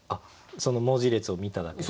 その文字列を見ただけで？